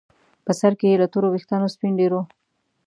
په سر کې یې له تورو ویښتانو سپین ډیر وو.